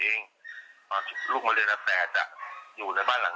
เขาจะเข้ามาอยู่ในบ้านหลังนี้เขาจะดูแลลูกเขาเอง